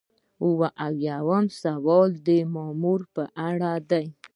اووه اویایم سوال د مامور په اړه دی.